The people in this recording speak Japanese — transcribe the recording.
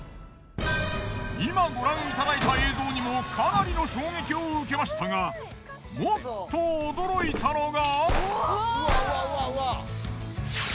今ご覧いただいた映像にもかなりの衝撃を受けましたがもっと驚いたのが！